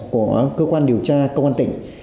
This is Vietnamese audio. của cơ quan điều tra công an tỉnh